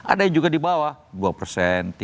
ada yang juga di bawah dua persen